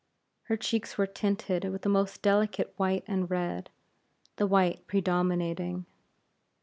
Her cheeks were tinted with the most delicate white and red, the white predominating.